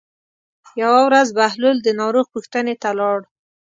یوه ورځ بهلول د ناروغ پوښتنې ته لاړ.